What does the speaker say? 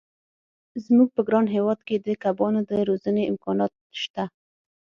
زموږ په ګران هېواد کې د کبانو د روزنې امکانات شته.